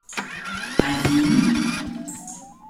Bei wem?